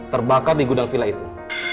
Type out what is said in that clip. terbakar di gedang vila itu